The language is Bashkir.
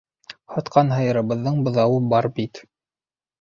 Һатҡан һыйырыбыҙҙың быҙауы бар бит.